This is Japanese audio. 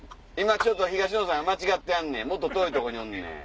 東野さんが間違ってはんねんもっと遠いとこにおんねん。